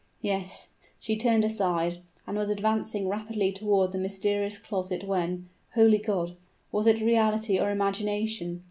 Yes, she turned aside, and was advancing rapidly toward the mysterious closet, when holy God! was it reality or imagination?